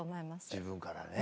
自分からね。